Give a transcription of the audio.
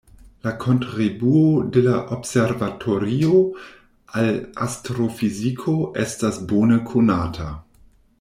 La kontribuo de la observatorio al astrofiziko estas bone konata.